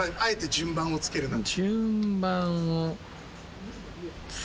順番をつくるなら。